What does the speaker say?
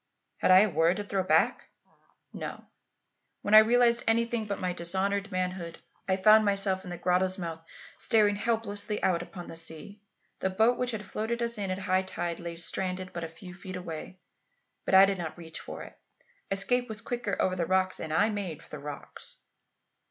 Had I a word to throw back? No. When I realized anything but my dishonoured manhood, I found myself in the grotto's mouth staring helplessly out upon the sea. The boat which had floated us in at high tide lay stranded but a few feet away, but I did not reach for it. Escape was quicker over the rocks, and I made for the rocks.